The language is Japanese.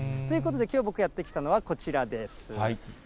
ということできょう、僕やって来たのはこちらです。